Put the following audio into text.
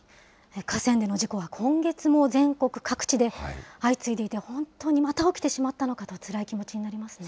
河川での事故は今月も全国各地で相次いでいて、本当にまた起きてしまったのかとつらい気持ちになりますね。